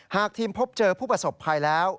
หากทีมพบเจอผู้ประสบภัยแล้ว